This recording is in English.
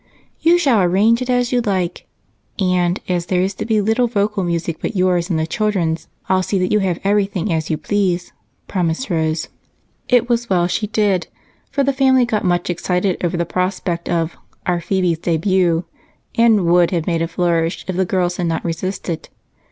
"You shall arrange it as you like, and as there is to be little vocal music but yours and the children's, I'll see that you have everything as you please," promised Rose. It was well she did, for the family got much excited over the prospect of "our Phebe's debut" and would have made a flourish if the girls had not resisted.